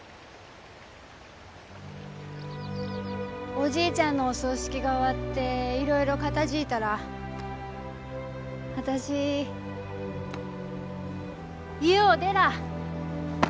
おじいちゃんのお葬式が終わっていろいろ片づぃたら私家を出らあ。